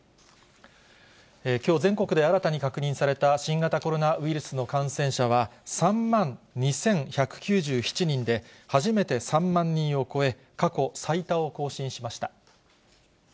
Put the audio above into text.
きょう、全国で新たに確認された新型コロナウイルスの感染者は、３万２１９７人で、初めて３万人を超え、過去最多を更新しました。